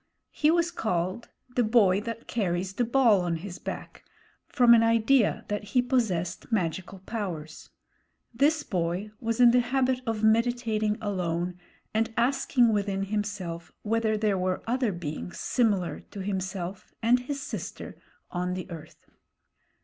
He was called the Boy That Carries the Ball on his Back, from an idea that he possessed magical powers. This boy was in the habit of meditating alone and asking within himself whether there were other beings similar to himself and his sister on the earth.